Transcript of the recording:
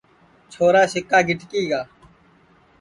چھورا سِکا گِٹکِی گا